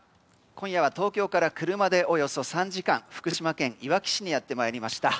今夜は東京から車でおよそ３時間福島県いわき市にやってまいりました。